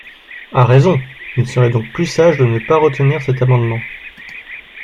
À raison ! Il serait donc plus sage de ne pas retenir cet amendement.